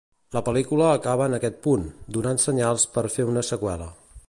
La pel·lícula acaba en aquest punt, donant senyals per fer una seqüela.